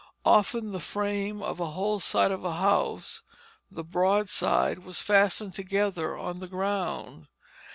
Often the frame of a whole side of a house the broadside was fastened together on the ground.